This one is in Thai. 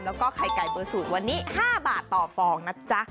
แล้วก็ไข่ไก่เบอร์สูตรวันนี้๕บาทต่อฟองนะจ๊ะ